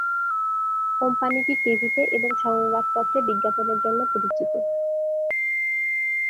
কোম্পানিটি টিভিতে এবং সংবাদপত্রে বিজ্ঞাপনের জন্য পরিচিত।